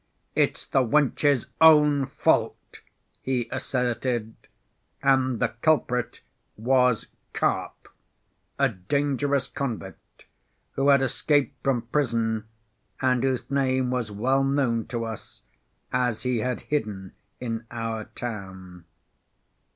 "It's the wench's own fault," he asserted, and the culprit was Karp, a dangerous convict, who had escaped from prison and whose name was well known to us, as he had hidden in our town.